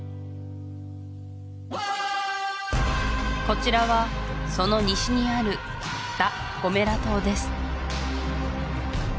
こちらはその西にあるラ・ゴメラ島です